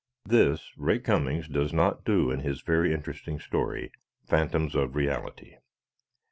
This, Ray Cummings does not do in his very interesting story, "Phantoms of Reality."